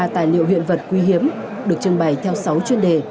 một trăm hai mươi ba tài liệu hiện vật quý hiếm được trưng bày theo sáu chuyên đề